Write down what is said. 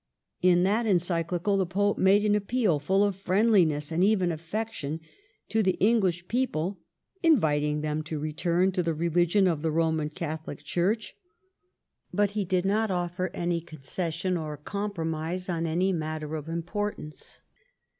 In that Encyclical the Pope made an appeal full of friendliness and even affection to the English people, inviting them to return to the religion of the Roman Catholic Church. But he did not offer any concession or compromise on any matter of importance.